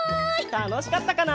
たのしかったかな？